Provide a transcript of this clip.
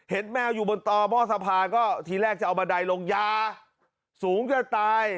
เห็นแมวอยู่บนตอบ้อสะพานก็ทีแรกจะเอามาใดลงยาสูงจะตาย